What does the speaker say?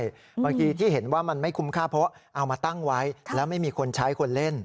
บางทีที่เห็นว่ามันไม่คุ้มค่าเพราะเอามาตั้งไว้แล้วไม่มีคนใช้คนเล่น